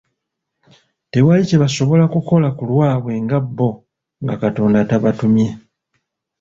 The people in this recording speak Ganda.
Tewali kye basobola kukola ku lwabwe nga bbo nga Katonda tabatumye